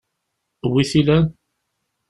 N wi-t-ilan?